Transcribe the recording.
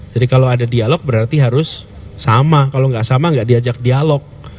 jadi kalau ada dialog berarti harus sama kalau gak sama gak diajak dialog